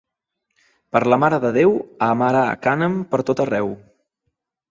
Per la Mare de Déu, a amarar cànem pertot arreu.